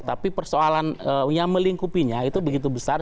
tapi persoalan yang melingkupinya itu begitu besar